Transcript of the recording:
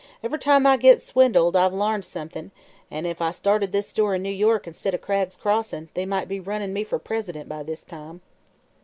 Ev'ry time I git swindled, I've l'arned somethin', an' if I'd started this store in New York instid o' Cragg's Crossin', they might be runnin' me fer president by this time."